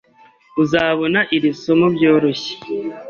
Uzabona iri somo byoroshye.